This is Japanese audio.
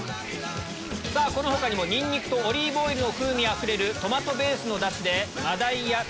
この他にもニンニクとオリーブオイルの風味あふれるトマトベースのダシで。